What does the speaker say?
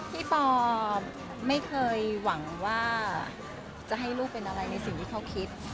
ปอไม่เคยหวังว่าจะให้ลูกเป็นอะไรในสิ่งที่เขาคิด